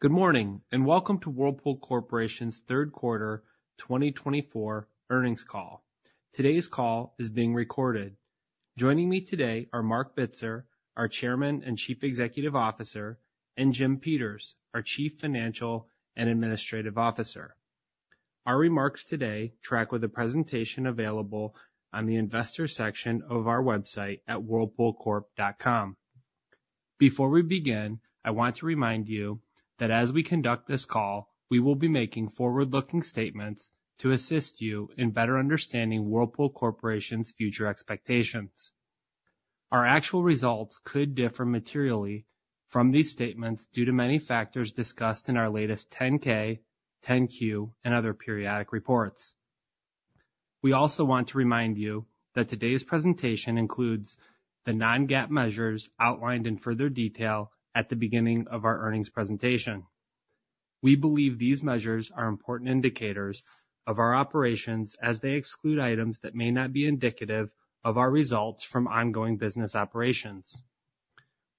Good morning, and welcome to Whirlpool Corporation's third quarter twenty twenty-four earnings call. Today's call is being recorded. Joining me today are Marc Bitzer, our Chairman and Chief Executive Officer, and Jim Peters, our Chief Financial and Administrative Officer. Our remarks today track with a presentation available on the investor section of our website at whirlpoolcorp.com. Before we begin, I want to remind you that as we conduct this call, we will be making forward-looking statements to assist you in better understanding Whirlpool Corporation's future expectations. Our actual results could differ materially from these statements due to many factors discussed in our latest 10-K, 10-Q, and other periodic reports. We also want to remind you that today's presentation includes the non-GAAP measures outlined in further detail at the beginning of our earnings presentation. We believe these measures are important indicators of our operations as they exclude items that may not be indicative of our results from ongoing business operations.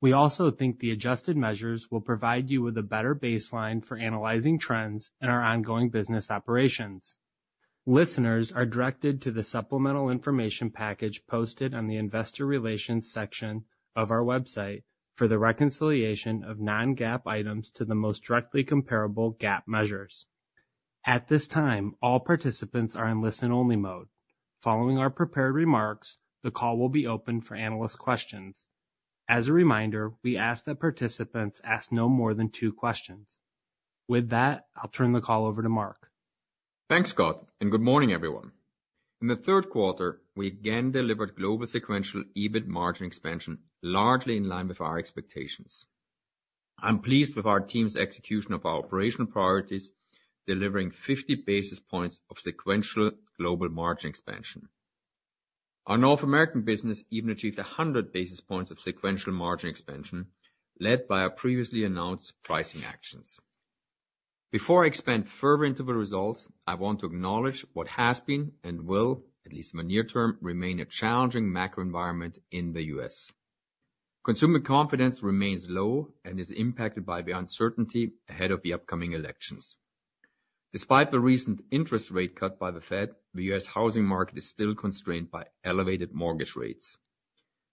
We also think the adjusted measures will provide you with a better baseline for analyzing trends in our ongoing business operations. Listeners are directed to the supplemental information package posted on the investor relations section of our website for the reconciliation of non-GAAP items to the most directly comparable GAAP measures. At this time, all participants are in listen-only mode. Following our prepared remarks, the call will be opened for analyst questions. As a reminder, we ask that participants ask no more than two questions. With that, I'll turn the call over to Marc. Thanks, Scott, and good morning, everyone. In the third quarter, we again delivered global sequential EBIT margin expansion, largely in line with our expectations. I'm pleased with our team's execution of our operational priorities, delivering fifty basis points of sequential global margin expansion. Our North American business even achieved one hundred basis points of sequential margin expansion, led by our previously announced pricing actions. Before I expand further into the results, I want to acknowledge what has been and will, at least in the near term, remain a challenging macro environment in the U.S. Consumer confidence remains low and is impacted by the uncertainty ahead of the upcoming elections. Despite the recent interest rate cut by the Fed, the U.S. housing market is still constrained by elevated mortgage rates.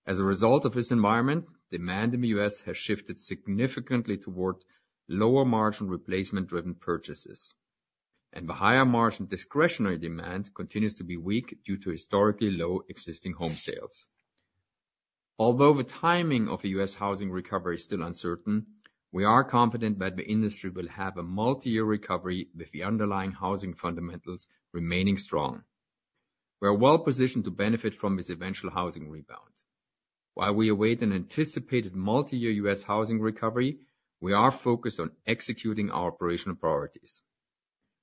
As a result of this environment, demand in the U.S. has shifted significantly toward lower-margin, replacement-driven purchases, and the higher-margin discretionary demand continues to be weak due to historically low existing home sales. Although the timing of the U.S. housing recovery is still uncertain, we are confident that the industry will have a multi-year recovery, with the underlying housing fundamentals remaining strong. We are well positioned to benefit from this eventual housing rebound. While we await an anticipated multi-year U.S. housing recovery, we are focused on executing our operational priorities.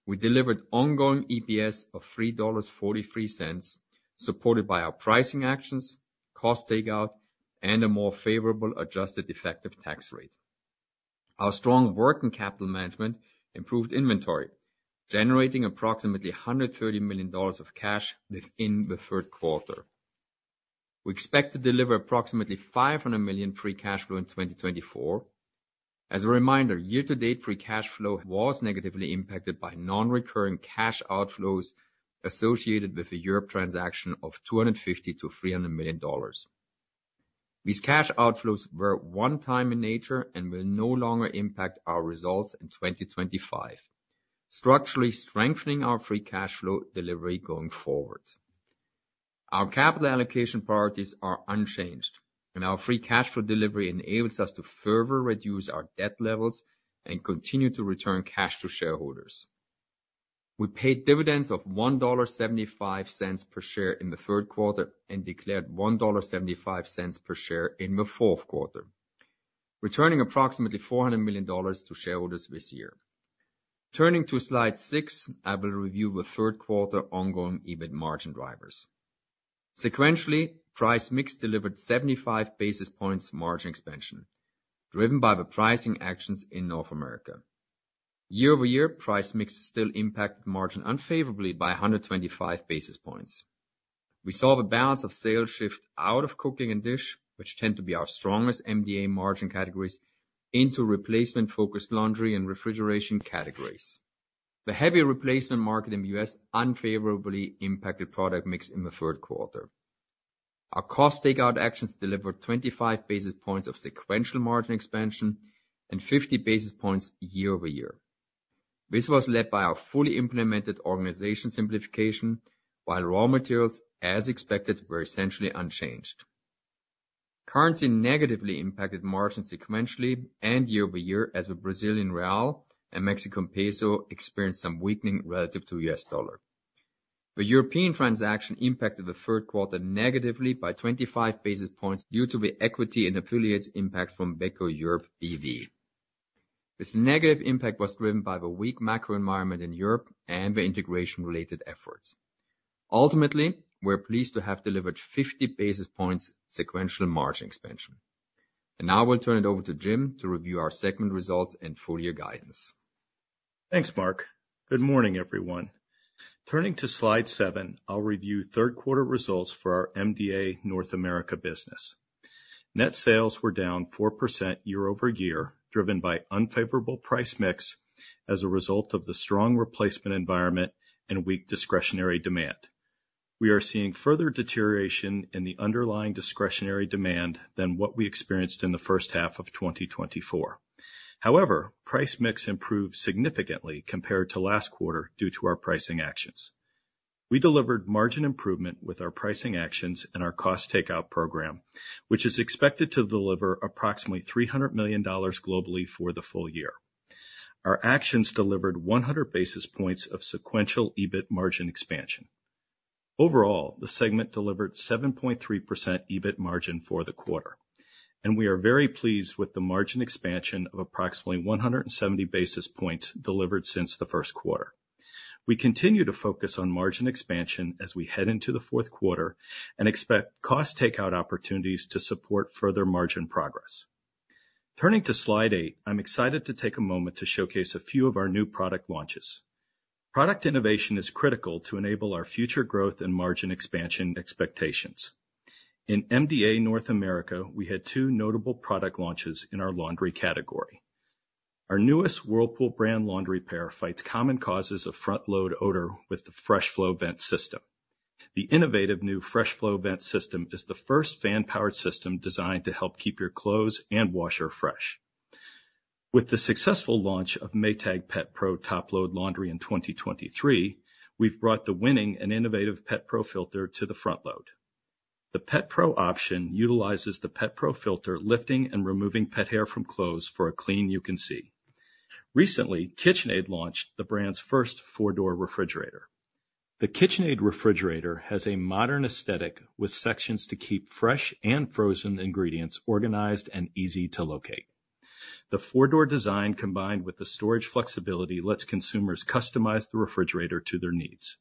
We delivered ongoing EPS of $3.43, supported by our pricing actions, cost takeout, and a more favorable adjusted effective tax rate. Our strong working capital management improved inventory, generating approximately $130 million of cash within the third quarter. We expect to deliver approximately $500 million free cash flow in 2024. As a reminder, year-to-date free cash flow was negatively impacted by non-recurring cash outflows associated with the Europe transaction of $250 million-$300 million. These cash outflows were one-time in nature and will no longer impact our results in 2025, structurally strengthening our free cash flow delivery going forward. Our capital allocation priorities are unchanged, and our free cash flow delivery enables us to further reduce our debt levels and continue to return cash to shareholders. We paid dividends of $1.75 per share in the third quarter and declared $1.75 per share in the fourth quarter, returning approximately $400 million to shareholders this year. Turning to slide 6, I will review the third quarter ongoing EBIT margin drivers. Sequentially, price mix delivered seventy-five basis points margin expansion, driven by the pricing actions in North America. Year over year, price mix still impacted margin unfavorably by a hundred and twenty-five basis points. We saw the balance of sales shift out of cooking and dish, which tend to be our strongest MDA margin categories, into replacement-focused laundry and refrigeration categories. The heavier replacement market in the U.S. unfavorably impacted product mix in the third quarter. Our cost takeout actions delivered twenty-five basis points of sequential margin expansion and fifty basis points year over year. This was led by our fully implemented organization simplification, while raw materials, as expected, were essentially unchanged. Currency negatively impacted margin sequentially and year over year, as the Brazilian real and Mexican peso experienced some weakening relative to U.S. dollar. The European transaction impacted the third quarter negatively by 25 basis points due to the equity in affiliates impact from Beko Europe B.V. This negative impact was driven by the weak macro environment in Europe and the integration-related efforts. Ultimately, we're pleased to have delivered 50 basis points sequential margin expansion, and now we'll turn it over to Jim to review our segment results and full-year guidance. Thanks, Marc. Good morning, everyone. Turning to slide 7, I'll review third quarter results for our MDA North America business. Net sales were down 4% year over year, driven by unfavorable price mix as a result of the strong replacement environment and weak discretionary demand. We are seeing further deterioration in the underlying discretionary demand than what we experienced in the first half of 2024. However, price mix improved significantly compared to last quarter due to our pricing actions. We delivered margin improvement with our pricing actions and our cost takeout program, which is expected to deliver approximately $300 million globally for the full year. Our actions delivered 100 basis points of sequential EBIT margin expansion. Overall, the segment delivered 7.3% EBIT margin for the quarter, and we are very pleased with the margin expansion of approximately 170 basis points delivered since the first quarter. We continue to focus on margin expansion as we head into the fourth quarter and expect cost takeout opportunities to support further margin progress. Turning to Slide 8, I'm excited to take a moment to showcase a few of our new product launches. Product innovation is critical to enable our future growth and margin expansion expectations. In MDA North America, we had two notable product launches in our laundry category. Our newest Whirlpool brand laundry pair fights common causes of front-load odor with the FreshFlow Vent System. The innovative new FreshFlow Vent System is the first fan-powered system designed to help keep your clothes and washer fresh. With the successful launch of Maytag Pet Pro Top Load Laundry in 2023, we've brought the winning and innovative Pet Pro Filter to the front load. The Pet Pro option utilizes the Pet Pro Filter, lifting and removing pet hair from clothes for a clean you can see. Recently, KitchenAid launched the brand's first four-door refrigerator. The KitchenAid refrigerator has a modern aesthetic, with sections to keep fresh and frozen ingredients organized and easy to locate. The four-door design, combined with the storage flexibility, lets consumers customize the refrigerator to their needs.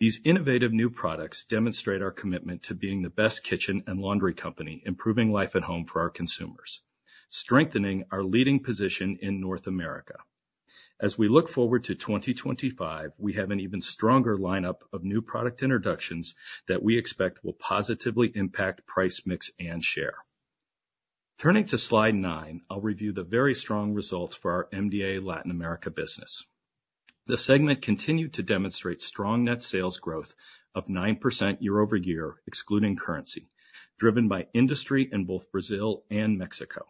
These innovative new products demonstrate our commitment to being the best kitchen and laundry company, improving life at home for our consumers, strengthening our leading position in North America. As we look forward to 2025, we have an even stronger lineup of new product introductions that we expect will positively impact price, mix, and share. Turning to Slide nine, I'll review the very strong results for our MDA Latin America business. The segment continued to demonstrate strong net sales growth of 9% year over year, excluding currency, driven by industry in both Brazil and Mexico.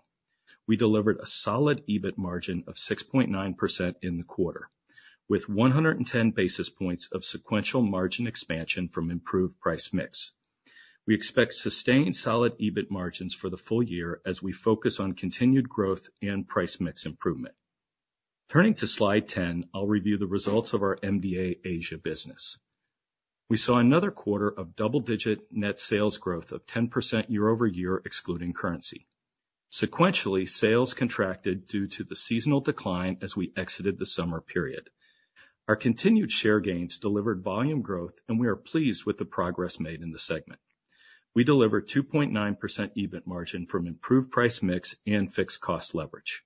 We delivered a solid EBIT margin of 6.9% in the quarter, with 110 basis points of sequential margin expansion from improved price mix. We expect sustained solid EBIT margins for the full year as we focus on continued growth and price mix improvement. Turning to Slide ten, I'll review the results of our MDA Asia business. We saw another quarter of double-digit net sales growth of 10% year over year, excluding currency. Sequentially, sales contracted due to the seasonal decline as we exited the summer period. Our continued share gains delivered volume growth, and we are pleased with the progress made in the segment. We delivered 2.9% EBIT margin from improved price mix and fixed cost leverage.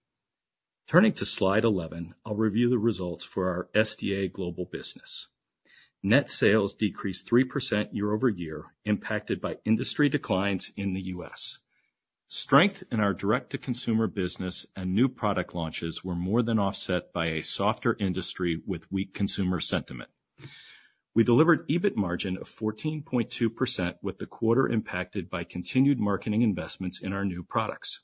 Turning to Slide 11, I'll review the results for our SDA Global business. Net sales decreased 3% year over year, impacted by industry declines in the U.S. Strength in our direct-to-consumer business and new product launches were more than offset by a softer industry with weak consumer sentiment. We delivered EBIT margin of 14.2%, with the quarter impacted by continued marketing investments in our new products.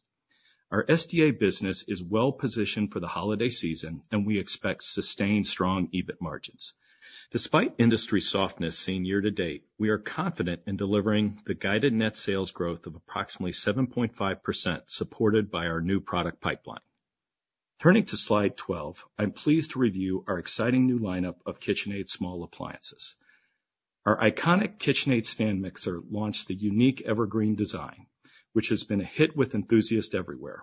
Our SDA business is well positioned for the holiday season, and we expect sustained strong EBIT margins. Despite industry softness seen year to date, we are confident in delivering the guided net sales growth of approximately 7.5%, supported by our new product pipeline. Turning to Slide 12, I'm pleased to review our exciting new lineup of KitchenAid small appliances. Our iconic KitchenAid stand mixer launched the unique Evergreen design, which has been a hit with enthusiasts everywhere.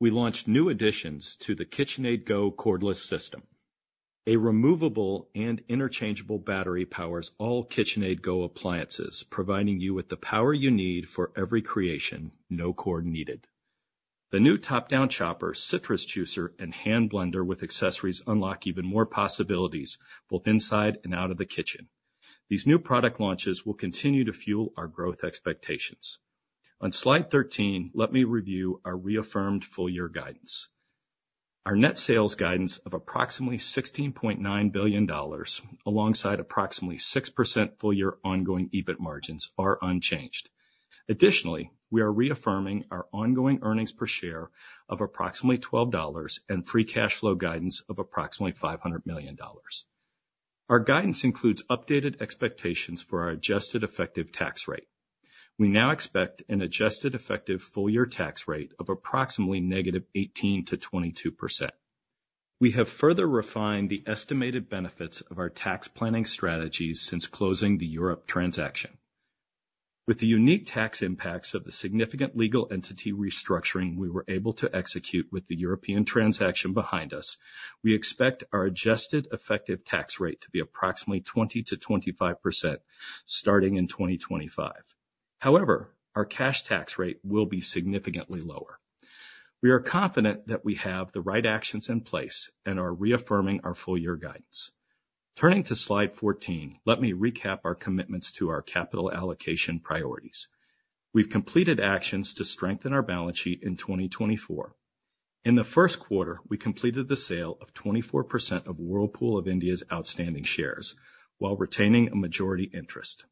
We launched new additions to the KitchenAid Go Cordless System. A removable and interchangeable battery powers all KitchenAid Go appliances, providing you with the power you need for every creation, no cord needed. The new top-down chopper, citrus juicer, and hand blender with accessories unlock even more possibilities, both inside and out of the kitchen. These new product launches will continue to fuel our growth expectations. On Slide 13, let me review our reaffirmed full year guidance. Our net sales guidance of approximately $16.9 billion, alongside approximately 6% full year ongoing EBIT margins, are unchanged. Additionally, we are reaffirming our ongoing earnings per share of approximately $12 and free cash flow guidance of approximately $500 million. Our guidance includes updated expectations for our adjusted effective tax rate. We now expect an adjusted effective full year tax rate of approximately -18% to 22%. We have further refined the estimated benefits of our tax planning strategies since closing the Europe transaction. With the unique tax impacts of the significant legal entity restructuring we were able to execute with the European transaction behind us, we expect our adjusted effective tax rate to be approximately 20%-25%, starting in 2025.... However, our cash tax rate will be significantly lower. We are confident that we have the right actions in place and are reaffirming our full year guidance. Turning to slide 14, let me recap our commitments to our capital allocation priorities. We've completed actions to strengthen our balance sheet in 2024. In the first quarter, we completed the sale of 24% of Whirlpool of India's outstanding shares, while retaining a majority interest.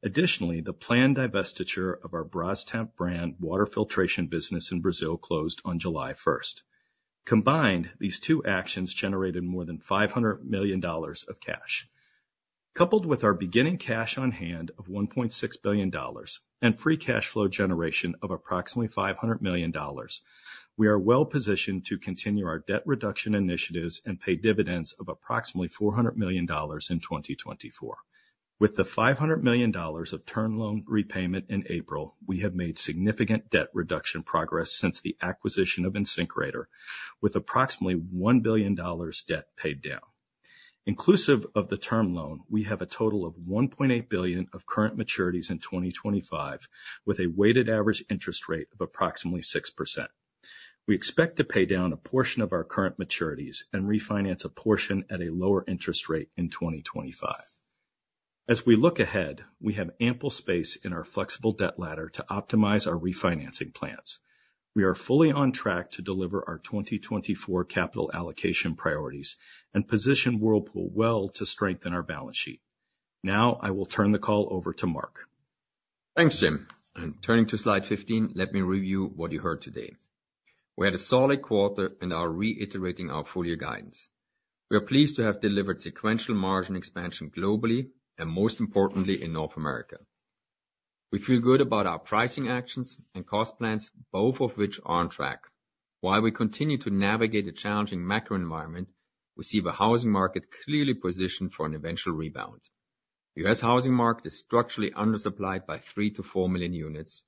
Additionally, the planned divestiture of our Brastemp brand water filtration business in Brazil closed on July 1st. Combined, these two actions generated more than $500 million of cash. Coupled with our beginning cash on hand of $1.6 billion and free cash flow generation of approximately $500 million, we are well positioned to continue our debt reduction initiatives and pay dividends of approximately $400 million in 2024. With the $500 million of term loan repayment in April, we have made significant debt reduction progress since the acquisition of InSinkErator, with approximately $1 billion debt paid down. Inclusive of the term loan, we have a total of $1.8 billion of current maturities in twenty twenty-five, with a weighted average interest rate of approximately 6%. We expect to pay down a portion of our current maturities and refinance a portion at a lower interest rate in twenty twenty-five. As we look ahead, we have ample space in our flexible debt ladder to optimize our refinancing plans. We are fully on track to deliver our twenty twenty-four capital allocation priorities and position Whirlpool well to strengthen our balance sheet. Now I will turn the call over to Marc. Thanks, Jim, and turning to slide 15, let me review what you heard today. We had a solid quarter and are reiterating our full year guidance. We are pleased to have delivered sequential margin expansion globally and most importantly, in North America. We feel good about our pricing actions and cost plans, both of which are on track. While we continue to navigate a challenging macro environment, we see the housing market clearly positioned for an eventual rebound. U.S. housing market is structurally undersupplied by three-to-four million units.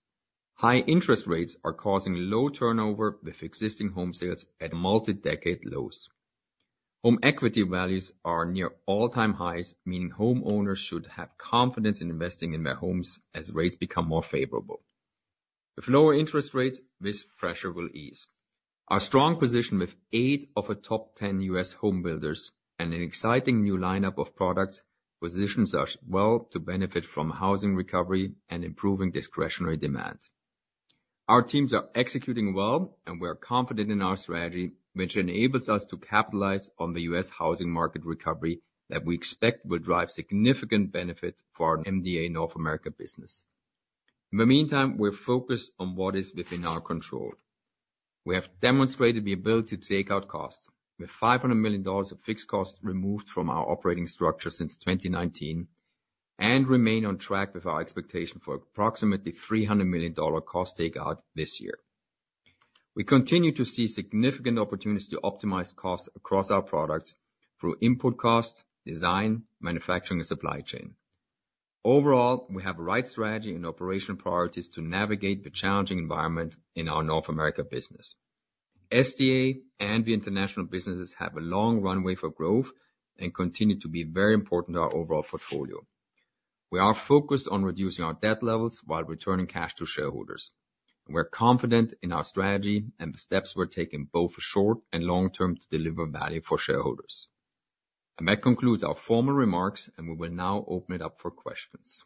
High interest rates are causing low turnover, with existing home sales at multi-decade lows. Home equity values are near all-time highs, meaning homeowners should have confidence in investing in their homes as rates become more favorable. With lower interest rates, this pressure will ease. Our strong position with eight of the top ten U.S. home builders and an exciting new lineup of products positions us well to benefit from housing recovery and improving discretionary demand. Our teams are executing well, and we are confident in our strategy, which enables us to capitalize on the U.S. housing market recovery that we expect will drive significant benefit for our MDA North America business. In the meantime, we're focused on what is within our control. We have demonstrated the ability to take out costs, with $500 million of fixed costs removed from our operating structure since 2019, and remain on track with our expectation for approximately $300 million cost takeout this year. We continue to see significant opportunities to optimize costs across our products through input costs, design, manufacturing, and supply chain. Overall, we have the right strategy and operational priorities to navigate the challenging environment in our North America business. SDA and the international businesses have a long runway for growth and continue to be very important to our overall portfolio. We are focused on reducing our debt levels while returning cash to shareholders. We're confident in our strategy and the steps we're taking, both for short and long term, to deliver value for shareholders, and that concludes our formal remarks, and we will now open it up for questions.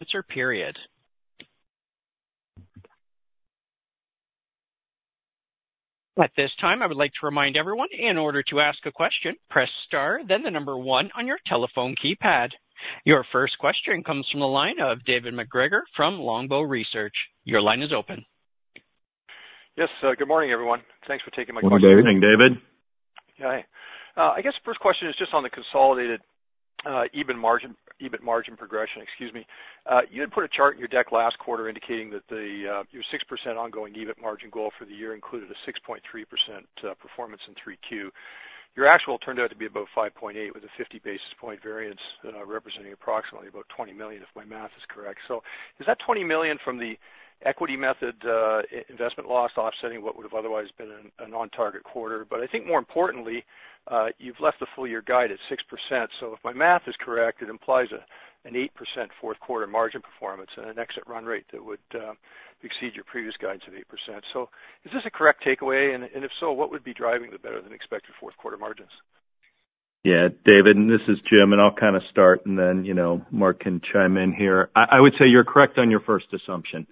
It's our period. At this time, I would like to remind everyone, in order to ask a question, press star, then the number one on your telephone keypad. Your first question comes from the line of David MacGregor from Longbow Research. Your line is open. Yes, good morning, everyone. Thanks for taking my call. Good morning, David. Hi. I guess the first question is just on the consolidated EBIT margin progression. Excuse me. You had put a chart in your deck last quarter indicating that your 6% ongoing EBIT margin goal for the year included a 6.3% performance in 3Q. Your actual turned out to be about 5.8%, with a 50 basis points variance representing approximately $20 million, if my math is correct. So is that $20 million from the equity method investment loss offsetting what would have otherwise been an on-target quarter? But I think more importantly, you've left the full year guide at 6%. So if my math is correct, it implies an 8% fourth quarter margin performance and an exit run rate that would exceed your previous guidance of 8%. So is this a correct takeaway? And if so, what would be driving the better-than-expected fourth quarter margins? Yeah, David, and this is Jim, and I'll kind of start, and then, you know, Marc can chime in here. I would say you're correct on your first assumption,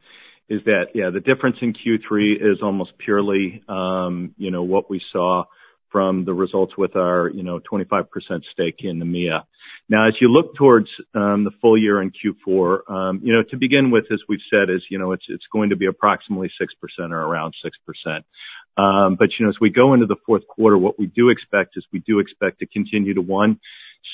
is that, yeah, the difference in Q3 is almost purely, you know, what we saw from the results with our, you know, 25% stake in the EMEA. Now, as you look towards, the full year in Q4, you know, to begin with, as we've said, is, you know, it's, it's going to be approximately 6% or around 6%. But, you know, as we go into the fourth quarter, what we do expect is we do expect to continue to, one,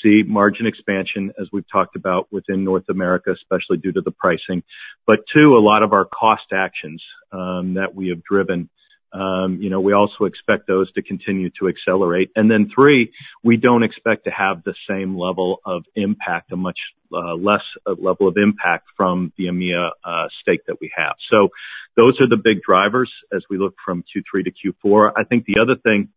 see margin expansion, as we've talked about within North America, especially due to the pricing. But two, a lot of our cost actions that we have driven, you know, we also expect those to continue to accelerate. And then three, we don't expect to have the same level of impact, a much less level of impact from the EMEA stake that we have. So-... Those are the big drivers as we look from Q3 to Q4. I think the other thing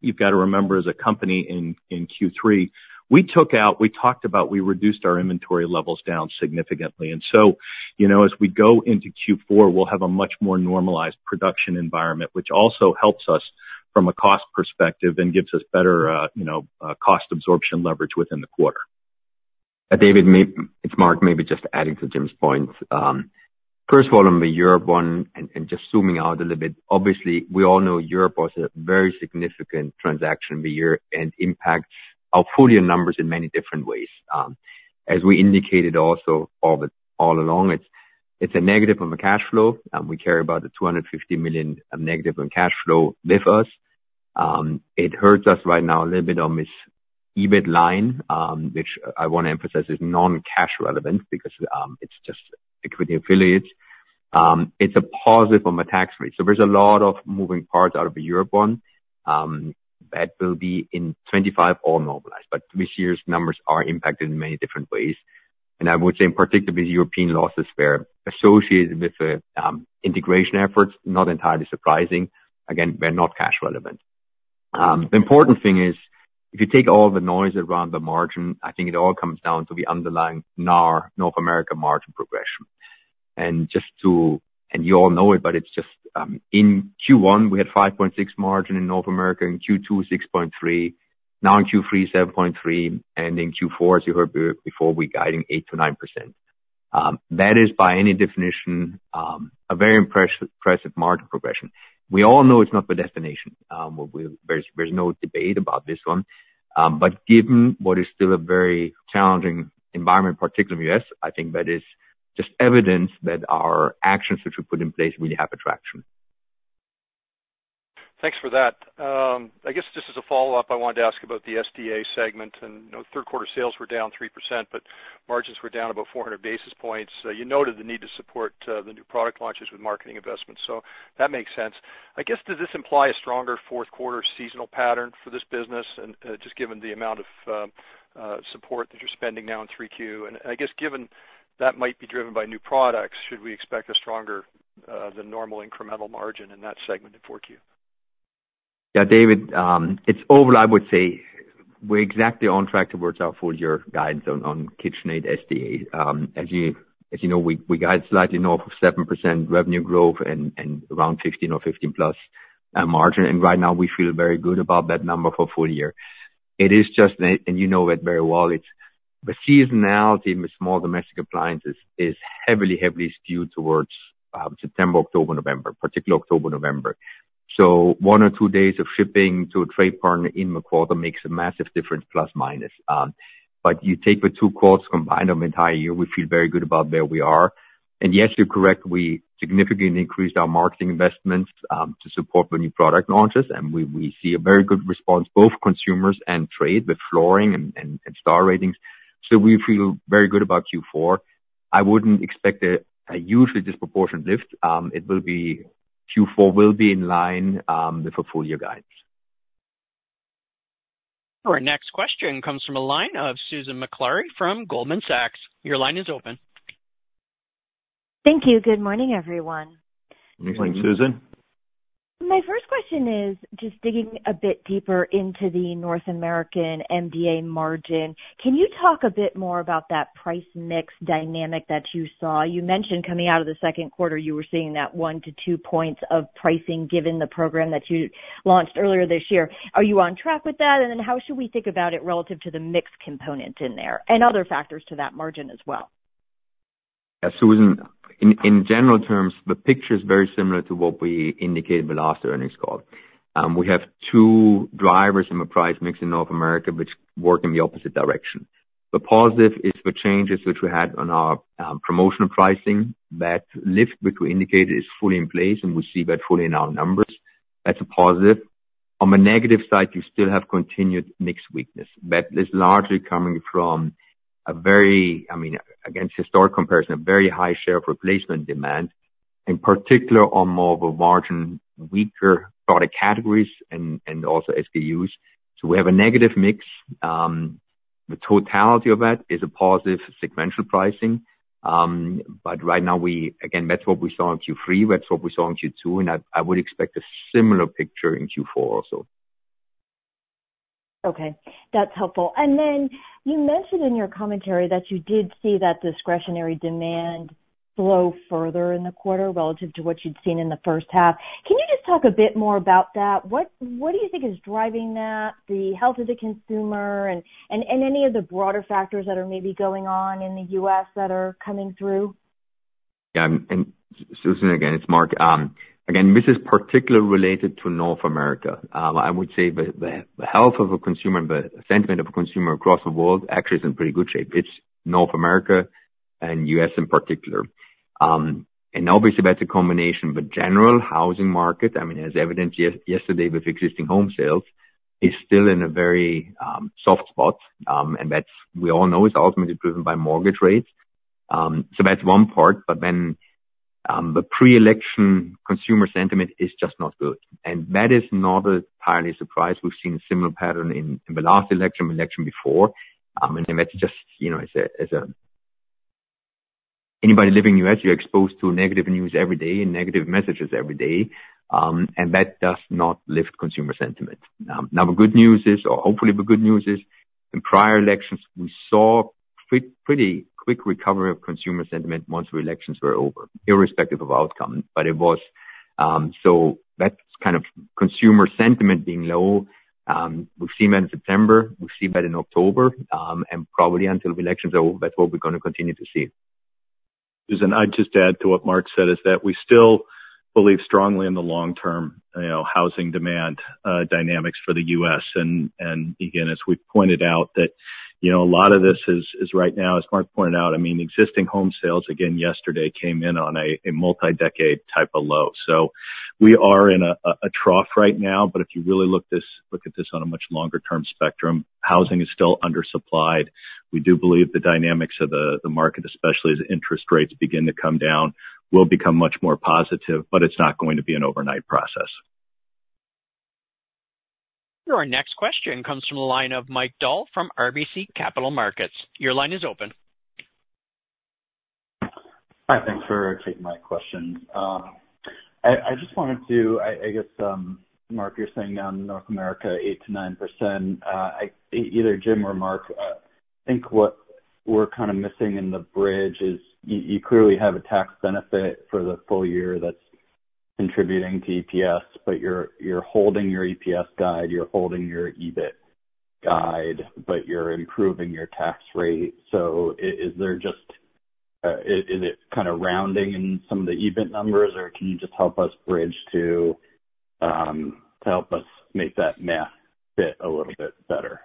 you've got to remember as a company in Q3, we took out, we talked about, we reduced our inventory levels down significantly. And so, you know, as we go into Q4, we'll have a much more normalized production environment, which also helps us from a cost perspective and gives us better, you know, cost absorption leverage within the quarter. David, it's Marc, maybe just adding to Jim's point. First of all, on the Europe one, and just zooming out a little bit. Obviously, we all know Europe was a very significant transaction the year and impact our full year numbers in many different ways. As we indicated also, all along, it's a negative on the cash flow, and we carry about $250 million of negative on cash flow with us. It hurts us right now a little bit on this EBIT line, which I want to emphasize, is non-cash relevant because it's just equity affiliates. It's a positive on the tax rate. So there's a lot of moving parts out of the Europe one that will be in 2025, all normalized, but this year's numbers are impacted in many different ways. I would say in particular, European losses were associated with the integration efforts, not entirely surprising. Again, we're not cash relevant. The important thing is, if you take all the noise around the margin, I think it all comes down to the underlying NAR, North America margin progression. And you all know it, but it's just in Q1, we had 5.6% margin in North America, in Q2, 6.3%, now in Q3, 7.3%, and in Q4, as you heard before, we're guiding 8%-9%. That is, by any definition, a very impressive margin progression. We all know it's not the destination. There's no debate about this one. But given what is still a very challenging environment, particularly in U.S., I think that is just evidence that our actions which we put in place really have traction. Thanks for that. I guess just as a follow-up, I wanted to ask about the SDA segment, and, you know, third quarter sales were down 3%, but margins were down about 400 basis points. So you noted the need to support the new product launches with marketing investments, so that makes sense. I guess, does this imply a stronger fourth quarter seasonal pattern for this business? And, just given the amount of support that you're spending now in three Q. And I guess given that might be driven by new products, should we expect a stronger than normal incremental margin in that segment in four Q? Yeah, David, it's overall, I would say we're exactly on track towards our full year guidance on KitchenAid SDA. As you know, we guide slightly north of 7% revenue growth and around 15 or 15-plus margin. And right now, we feel very good about that number for full year. It is just that, and you know it very well, it's the seasonality with small domestic appliances is heavily, heavily skewed towards September, October, November, particularly October, November. So one or two days of shipping to a trade partner in the quarter makes a massive difference, plus, minus. But you take the two quarters, combine them entire year, we feel very good about where we are. And yes, you're correct, we significantly increased our marketing investments to support the new product launches, and we see a very good response, both consumers and trade, with flooring and star ratings. So we feel very good about Q4. I wouldn't expect a hugely disproportionate lift. Q4 will be in line with the full year guidance. Our next question comes from a line of Susan Maklari from Goldman Sachs. Your line is open. Thank you. Good morning, everyone. Good morning, Susan. My first question is just digging a bit deeper into the North American MDA margin. Can you talk a bit more about that price mix dynamic that you saw? You mentioned coming out of the second quarter, you were seeing that one to two points of pricing, given the program that you launched earlier this year. Are you on track with that? And then how should we think about it relative to the mix component in there and other factors to that margin as well? Yeah, Susan, in general terms, the picture is very similar to what we indicated in the last earnings call. We have two drivers in the price mix in North America, which work in the opposite direction. The positive is the changes which we had on our promotional pricing. That lift, which we indicated, is fully in place, and we see that fully in our numbers. That's a positive. On the negative side, you still have continued mix weakness. That is largely coming from a very, I mean, against historic comparison, a very high share of replacement demand, in particular, on more of a margin, weaker product categories and also SKUs. So we have a negative mix. The totality of that is a positive sequential pricing. But right now we, again, that's what we saw in Q3, that's what we saw in Q2, and I would expect a similar picture in Q4 also. Okay, that's helpful. And then you mentioned in your commentary that you did see that discretionary demand slow further in the quarter, relative to what you'd seen in the first half. Can you just talk a bit more about that? What do you think is driving that, the health of the consumer and any of the broader factors that are maybe going on in the U.S. that are coming through? Yeah, and Susan, again, it's Marc. Again, this is particularly related to North America. I would say the health of a consumer, the sentiment of a consumer across the world actually is in pretty good shape. It's North America and U.S. in particular, and obviously, that's a combination, but general housing market, I mean, as evidenced yesterday with existing home sales, is still in a very soft spot, and that's, we all know, is ultimately driven by mortgage rates. So that's one part. But then, the pre-election consumer sentiment is just not good, and that is not entirely surprised. We've seen a similar pattern in the last election, the election before.... And that's just, you know, as anybody living in the U.S., you're exposed to negative news every day and negative messages every day, and that does not lift consumer sentiment. Now, the good news is, or hopefully the good news is, in prior elections, we saw pretty quick recovery of consumer sentiment once the elections were over, irrespective of outcome. But it was, so that's kind of consumer sentiment being low. We see that in September, we see that in October, and probably until the election, so that's what we're gonna continue to see. Listen, I'd just add to what Mark said, is that we still believe strongly in the long-term, you know, housing demand dynamics for the U.S. And again, as we pointed out, you know, a lot of this is right now, as Mark pointed out, I mean, existing home sales, again, yesterday, came in on a multi-decade type of low. So we are in a trough right now, but if you really look at this on a much longer term spectrum, housing is still undersupplied. We do believe the dynamics of the market, especially as interest rates begin to come down, will become much more positive, but it's not going to be an overnight process. Your next question comes from the line of Mike Dahl from RBC Capital Markets. Your line is open. Hi, thanks for taking my question. I just wanted to... I guess, Marc, you're saying down in North America, 8%-9%. Either Jim or Marc, I think what we're kind of missing in the bridge is, you clearly have a tax benefit for the full year that's contributing to EPS, but you're holding your EPS guide, you're holding your EBIT guide, but you're improving your tax rate. So is there just, is it kind of rounding in some of the EBIT numbers, or can you just help us bridge to, to help us make that math fit a little bit better?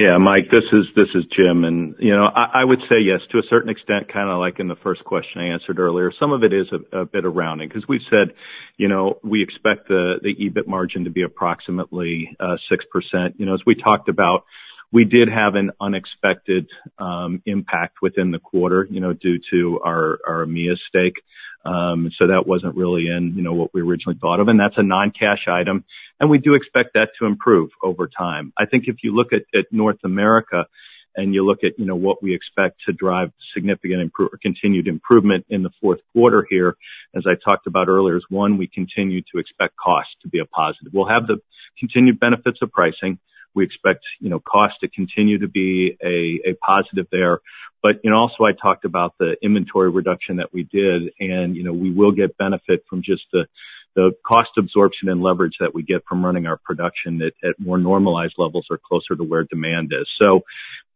Yeah, Mike, this is Jim, and, you know, I would say yes, to a certain extent, kind of like in the first question I answered earlier. Some of it is a bit of rounding, 'cause we've said, you know, we expect the EBIT margin to be approximately 6%. You know, as we talked about, we did have an unexpected impact within the quarter, you know, due to our EMEA stake. So that wasn't really in, you know, what we originally thought of, and that's a non-cash item, and we do expect that to improve over time. I think if you look at North America, and you look at, you know, what we expect to drive continued improvement in the fourth quarter here, as I talked about earlier, is, one, we continue to expect cost to be a positive. We'll have the continued benefits of pricing. We expect, you know, cost to continue to be a positive there. But, you know, also, I talked about the inventory reduction that we did, and, you know, we will get benefit from just the cost absorption and leverage that we get from running our production at more normalized levels or closer to where demand is. So,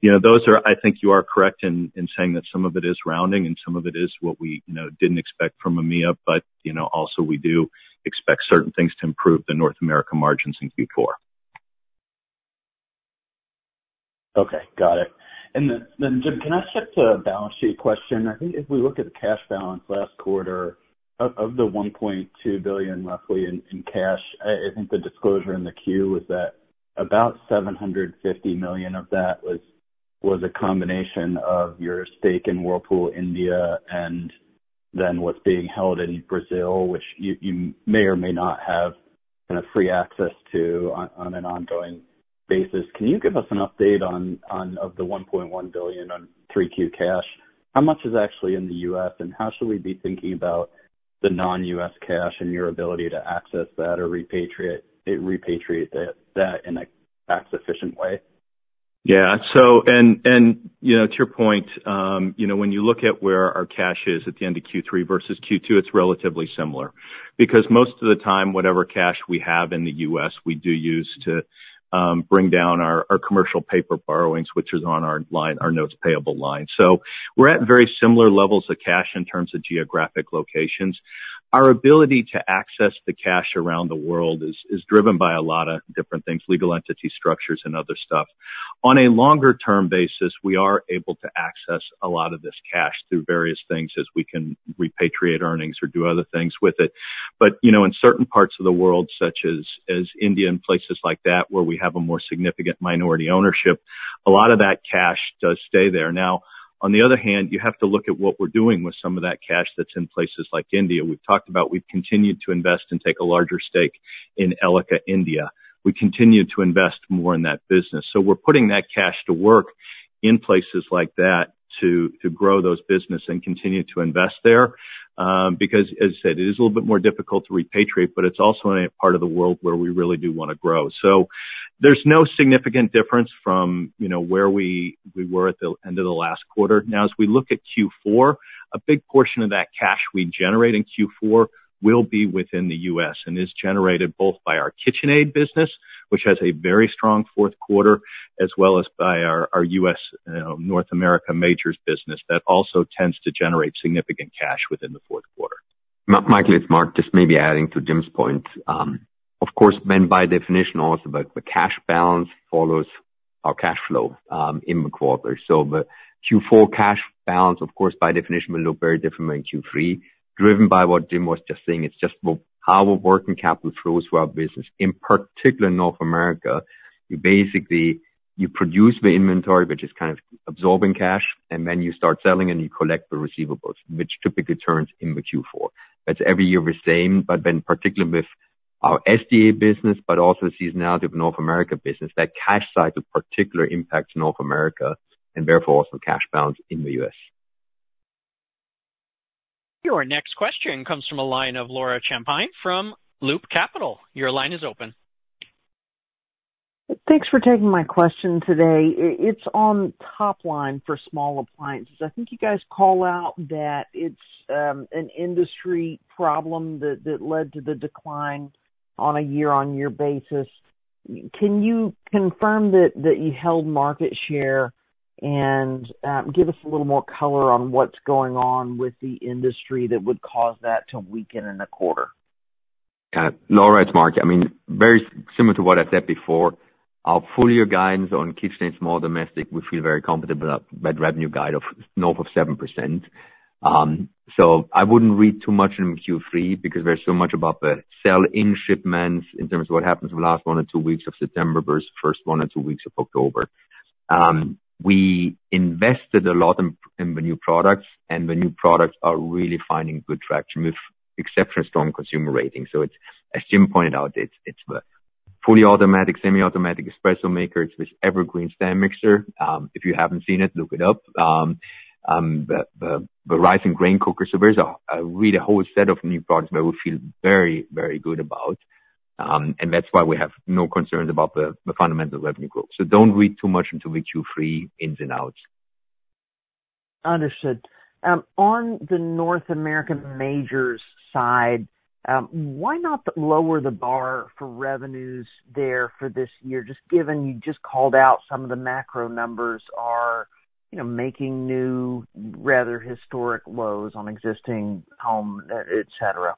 you know, those are... I think you are correct in saying that some of it is rounding and some of it is what we, you know, didn't expect from EMEA, but, you know, also, we do expect certain things to improve the North America margins in Q4. Okay, got it. Then, Jim, can I shift to a balance sheet question? I think if we look at the cash balance last quarter of the $1.2 billion, roughly, in cash, I think the disclosure in the 10-Q was that about $750 million of that was a combination of your stake in Whirlpool India, and then what's being held in Brazil, which you may or may not have kind of free access to on an ongoing basis. Can you give us an update on the $1.1 billion on 3Q cash? How much is actually in the U.S., and how should we be thinking about the non-U.S. cash and your ability to access that or repatriate that in a tax-efficient way? Yeah. So, and, you know, to your point, you know, when you look at where our cash is at the end of Q3 versus Q2, it's relatively similar, because most of the time, whatever cash we have in the U.S., we do use to bring down our commercial paper borrowings, which is on our line, our notes payable line. So we're at very similar levels of cash in terms of geographic locations. Our ability to access the cash around the world is driven by a lot of different things, legal entity structures and other stuff. On a longer term basis, we are able to access a lot of this cash through various things, as we can repatriate earnings or do other things with it. But you know, in certain parts of the world, such as, as India and places like that, where we have a more significant minority ownership, a lot of that cash does stay there. Now, on the other hand, you have to look at what we're doing with some of that cash that's in places like India. We've talked about, we've continued to invest and take a larger stake in Elica India. We continue to invest more in that business. So we're putting that cash to work in places like that, to, to grow those business and continue to invest there. Because, as I said, it is a little bit more difficult to repatriate, but it's also in a part of the world where we really do wanna grow. So there's no significant difference from, you know, where we, we were at the end of the last quarter. Now, as we look at Q4, a big portion of that cash we generate in Q4 will be within the U.S. and is generated both by our KitchenAid business, which has a very strong fourth quarter, as well as by our U.S. North America majors business. That also tends to generate significant cash within the fourth quarter. Mike, it's Marc, just maybe adding to Jim's point. Of course, then by definition also, but the cash balance follows our cash flow in the quarter. So the Q4 cash balance, of course, by definition, will look very different than Q3, driven by what Jim was just saying. It's just about how our working capital flows through our business. In particular, North America, you basically produce the inventory, which is kind of absorbing cash, and then you start selling and you collect the receivables, which typically turns in the Q4. That's every year the same, but then particularly with our SDA business, but also the seasonality of North America business, that cash cycle particular impacts North America and therefore also cash balance in the U.S. Your next question comes from a line of Laura Champine from Loop Capital. Your line is open. Thanks for taking my question today. It's on top line for small appliances. I think you guys call out that it's an industry problem that led to the decline on a year-on-year basis. Can you confirm that you held market share, and give us a little more color on what's going on with the industry that would cause that to weaken in the quarter? Got it. Laura, it's Marc. I mean, very similar to what I said before, our full year guidance on KitchenAid and small domestic, we feel very confident about that revenue guide of north of 7%. So I wouldn't read too much in Q3, because there's so much about the sell-in shipments in terms of what happens in the last one or two weeks of September versus the first one or two weeks of October. We invested a lot in the new products, and the new products are really finding good traction with exceptionally strong consumer ratings. So it's, as Jim pointed out, the fully automatic, semi-automatic espresso makers, this Evergreen stand mixer. If you haven't seen it, look it up. The rice and grain cooker, so there's a really whole set of new products that we feel very, very good about, and that's why we have no concerns about the fundamental revenue growth. So don't read too much into the Q3 ins and outs. Understood. On the North American majors side, why not lower the bar for revenues there for this year, just given you just called out some of the macro numbers are, you know, making new, rather historic lows on existing home, etcetera?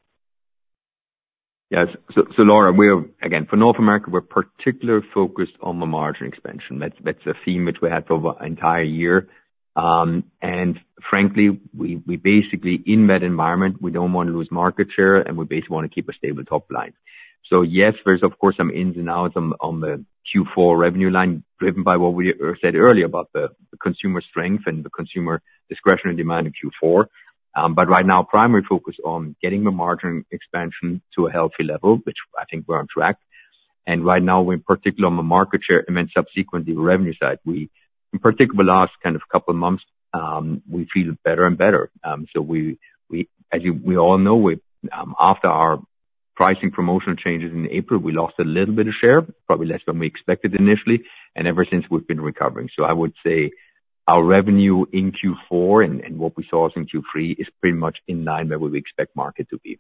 Yes, so Laura, we're again, for North America, we're particularly focused on the margin expansion. That's a theme which we had for the entire year, and frankly, we basically, in that environment, we don't want to lose market share, and we basically want to keep a stable top line, so yes, there's of course some ins and outs on the Q4 revenue line, driven by what we said earlier about the consumer strength and the consumer discretionary demand in Q4, but right now, primary focus on getting the margin expansion to a healthy level, which I think we're on track, and right now, we're particularly on the market share and then subsequently, the revenue side. We, in particular, the last kind of couple of months, we feel better and better. So we all know, after our pricing promotional changes in April, we lost a little bit of share, probably less than we expected initially, and ever since, we've been recovering. So I would say our revenue in Q4 and what we saw was in Q3 is pretty much in line where we expect market to be.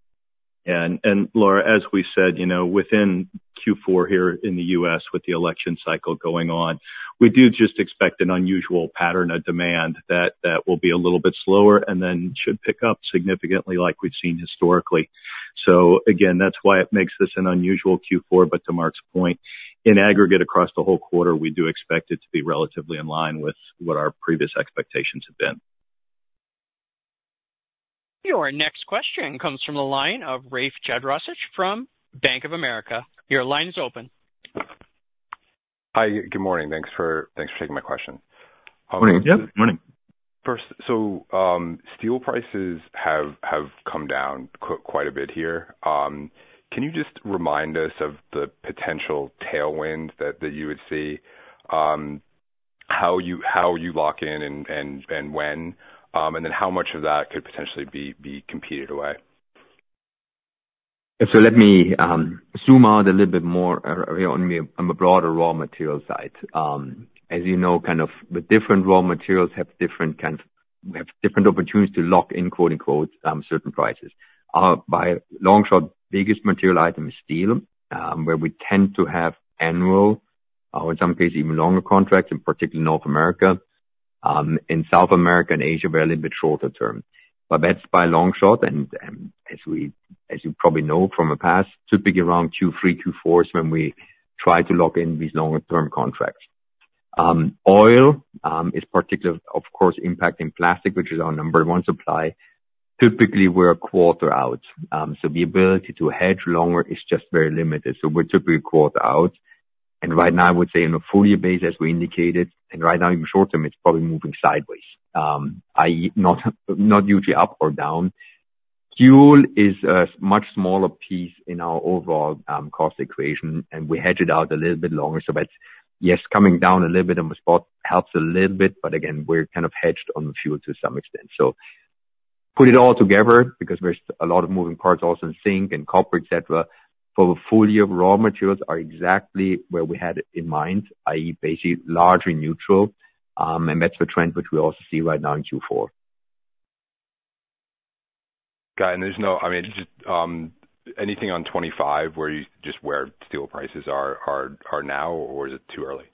Laura, as we said, you know, within Q4 here in the U.S., with the election cycle going on, we do just expect an unusual pattern of demand that will be a little bit slower and then should pick up significantly like we've seen historically. So again, that's why it makes this an unusual Q4, but to Marc's point, in aggregate, across the whole quarter, we do expect it to be relatively in line with what our previous expectations have been. Your next question comes from the line of Rafe Jadrosich from Bank of America. Your line is open. Hi, good morning. Thanks for taking my question. Morning. Yep, morning. First, steel prices have come down quite a bit here. Can you just remind us of the potential tailwind that you would see, how you lock in and when, and then how much of that could potentially be competed away? So let me zoom out a little bit more on a broader raw material side. As you know, kind of the different raw materials have different opportunities to "lock in," quote, unquote, certain prices. By a long shot, biggest material item is steel, where we tend to have annual or in some cases, even longer contracts, in particular in North America. In South America and Asia, we're a little bit shorter term. But that's by a long shot, and as you probably know from the past, typically around Q3, Q4 is when we try to lock in these longer term contracts. Oil is particularly, of course, impacting plastic, which is our number one supply. Typically, we're a quarter out, so the ability to hedge longer is just very limited. So we're typically a quarter out, and right now, I would say in a full year base, as we indicated, and right now in the short term, it's probably moving sideways. i.e., not usually up or down. Fuel is a much smaller piece in our overall cost equation, and we hedge it out a little bit longer. So that's, yes, coming down a little bit on the spot helps a little bit, but again, we're kind of hedged on the fuel to some extent. So put it all together, because there's a lot of moving parts also in zinc and copper, et cetera. For the full year, raw materials are exactly where we had it in mind, i.e., basically largely neutral, and that's the trend which we also see right now in Q4. Got it, and there's no, I mean, just, anything on twenty-five, where you, just where steel prices are now, or is it too early?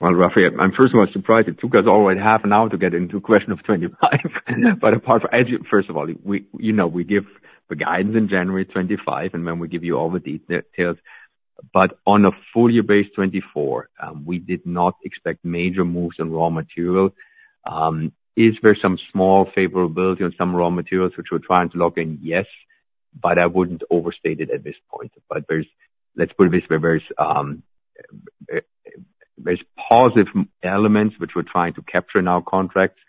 Rafe, I'm first of all surprised it took us over half an hour to get into question of 2025. But apart from that, first of all, we, you know, we give the guidance in January 2025, and then we give you all the details. But on a full year basis, 2024, we did not expect major moves on raw material. Is there some small favorability on some raw materials which we're trying to lock in? Yes, but I wouldn't overstate it at this point. But there's. Let's put it this way, there's positive elements which we're trying to capture in our contracts,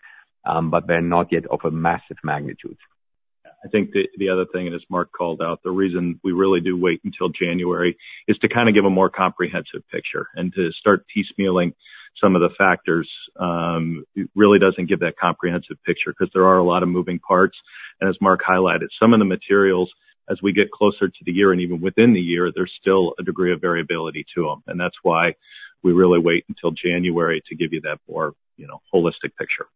but they're not yet of a massive magnitude. I think the other thing, and as Marc called out, the reason we really do wait until January is to kind of give a more comprehensive picture, and to start piecemealing some of the factors, it really doesn't give that comprehensive picture, 'cause there are a lot of moving parts. And as Marc highlighted, some of the materials, as we get closer to the year, and even within the year, there's still a degree of variability to them. And that's why we really wait until January to give you that more, you know, holistic picture.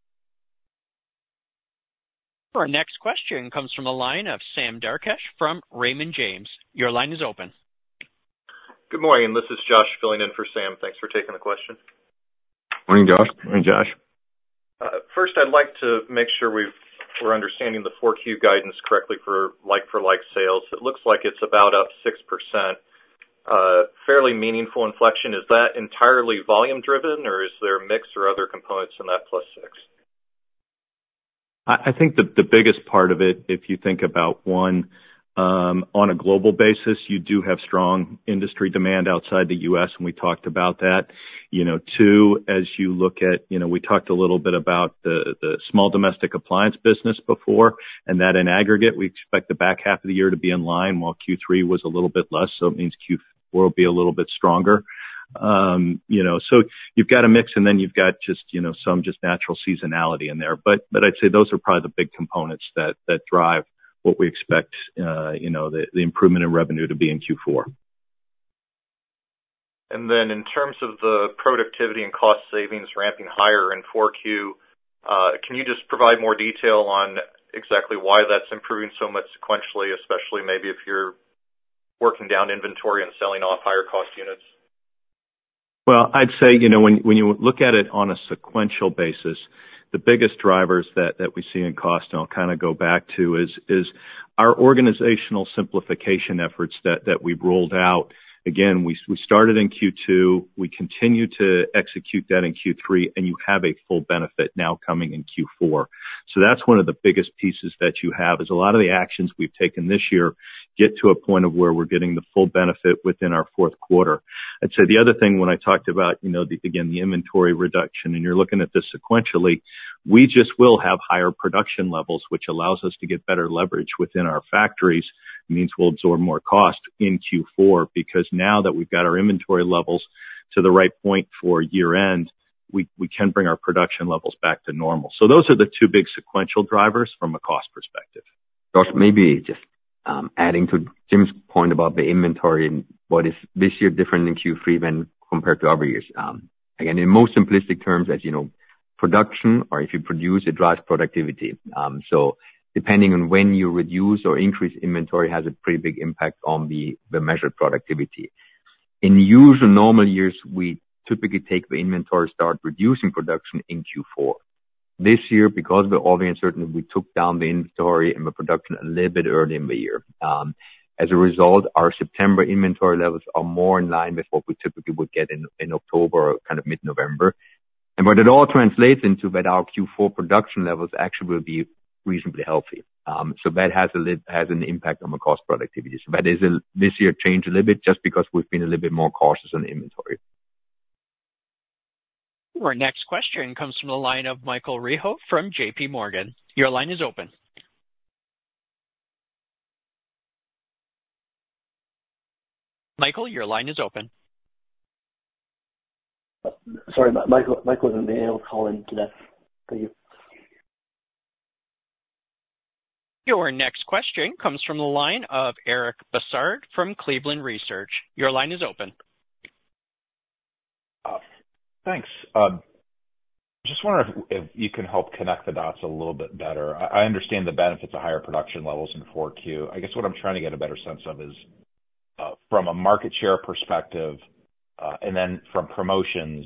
Our next question comes from the line of Sam Darkatsh from Raymond James. Your line is open. Good morning, this is Josh filling in for Sam. Thanks for taking the question. Morning, Josh. Morning, Josh. First, I'd like to make sure we're understanding the Q4 guidance correctly for like-for-like sales. It looks like it's about up 6%, fairly meaningful inflection. Is that entirely volume driven, or is there a mix or other components in that plus 6? I think the biggest part of it, if you think about one, on a global basis, you do have strong industry demand outside the U.S., and we talked about that. You know, two, as you look at, you know, we talked a little bit about the small domestic appliance business before, and that in aggregate, we expect the back half of the year to be in line, while Q3 was a little bit less, so it means Q4 will be a little bit stronger. You know, so you've got a mix, and then you've got just, you know, some just natural seasonality in there. But I'd say those are probably the big components that drive what we expect, you know, the improvement in revenue to be in Q4. In terms of the productivity and cost savings ramping higher in Q4, can you just provide more detail on exactly why that's improving so much sequentially, especially maybe if you're working down inventory and selling off higher cost units? I'd say, you know, when you look at it on a sequential basis, the biggest drivers that we see in cost, and I'll kind of go back to, is our organizational simplification efforts that we've rolled out. Again, we started in Q2, we continue to execute that in Q3, and you have a full benefit now coming in Q4. So that's one of the biggest pieces that you have, is a lot of the actions we've taken this year get to a point of where we're getting the full benefit within our fourth quarter. I'd say the other thing, when I talked about, you know, the, again, the inventory reduction, and you're looking at this sequentially, we just will have higher production levels, which allows us to get better leverage within our factories. It means we'll absorb more cost in Q4, because now that we've got our inventory levels to the right point for year end, we can bring our production levels back to normal. So those are the two big sequential drivers from a cost perspective. Josh, maybe just adding to Jim's point about the inventory and what is this year different than Q3 when compared to other years. Again, in most simplistic terms, as you know, production or if you produce, it drives productivity. So depending on when you reduce or increase inventory has a pretty big impact on the measured productivity. In usual normal years, we typically take the inventory, start reducing production in Q4. This year, because of all the uncertainty, we took down the inventory and the production a little bit early in the year. As a result, our September inventory levels are more in line with what we typically would get in October or kind of mid-November. And what it all translates into, that our Q4 production levels actually will be reasonably healthy. So that has a little impact on the cost productivity. So that is a change this year a little bit just because we've been a little bit more cautious on the inventory. Our next question comes from the line of Michael Rehaut from J.P. Morgan. Your line is open. Michael, your line is open. Sorry, Michael, Michael isn't being able to call in today. Thank you. Your next question comes from the line of Eric Bosshard from Cleveland Research. Your line is open. Thanks. Just wondering if you can help connect the dots a little bit better. I understand the benefits of higher production levels in 4Q. I guess what I'm trying to get a better sense of is, from a market share perspective, and then from promotions,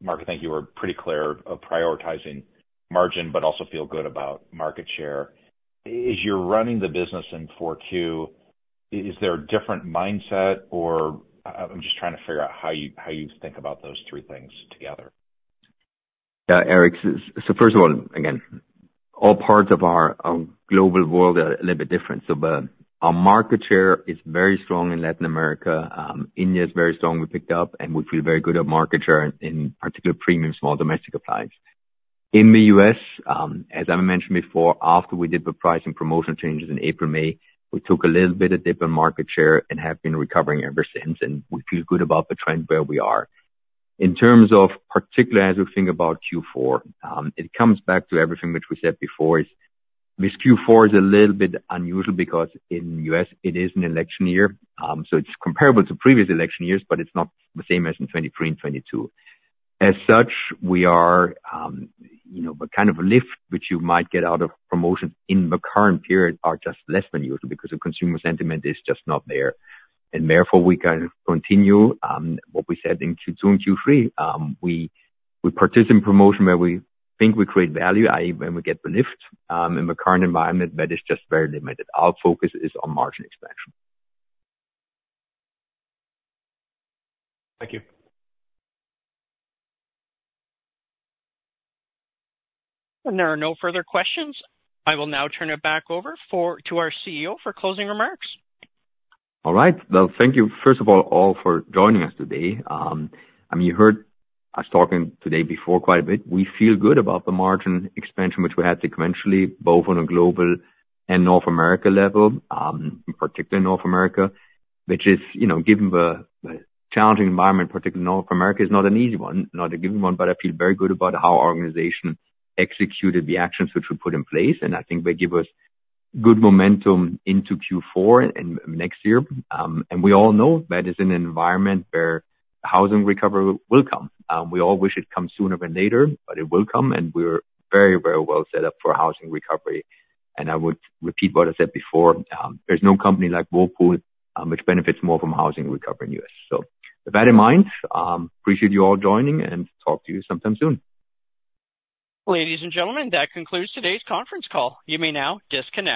Marc. I think you were pretty clear of prioritizing margin, but also feel good about market share. As you're running the business in 4Q, is there a different mindset or, I'm just trying to figure out how you think about those three things together. Yeah, Eric. So first of all, again, all parts of our global world are a little bit different. So, but our market share is very strong in Latin America. India is very strong, we picked up, and we feel very good at market share, in particular, premium small domestic appliance. In the U.S., as I mentioned before, after we did the price and promotional changes in April, May, we took a little bit of dip in market share and have been recovering ever since, and we feel good about the trend where we are. In terms of particularly as we think about Q4, it comes back to everything which we said before. This Q4 is a little bit unusual because in the U.S., it is an election year. So it's comparable to previous election years, but it's not the same as in 2023 and 2022. As such, we are, you know, the kind of lift which you might get out of promotions in the current period are just less than usual, because the consumer sentiment is just not there. And therefore, we kind of continue what we said in Q2 and Q3, we participate in promotion where we think we create value, i.e., when we get the lift. In the current environment, that is just very limited. Our focus is on margin expansion. Thank you. There are no further questions. I will now turn it back over to our CEO for closing remarks. All right. Well, thank you, first of all, all for joining us today. I mean, you heard us talking today before quite a bit. We feel good about the margin expansion, which we had sequentially, both on a global and North America level, in particular, North America, which is, you know, given the challenging environment, particularly North America, is not an easy one, not a given one, but I feel very good about how our organization executed the actions which we put in place, and I think they give us good momentum into Q4 and next year. And we all know that is an environment where housing recovery will come. We all wish it'd come sooner than later, but it will come, and we're very, very well set up for a housing recovery. I would repeat what I said before: There's no company like Whirlpool, which benefits more from housing recovery in the U.S. So with that in mind, appreciate you all joining, and talk to you sometime soon. Ladies and gentlemen, that concludes today's conference call. You may now disconnect.